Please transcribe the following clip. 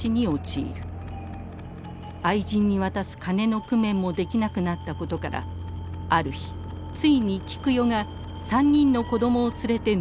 愛人に渡す金の工面もできなくなったことからある日ついに菊代が３人の子供を連れて乗り込んでくる。